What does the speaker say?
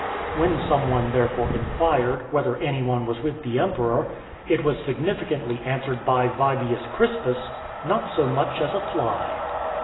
When some one therefore inquired, "whether any one was with the emperor," it was significantly answered by Vibius Crispus, "Not so much as a fly."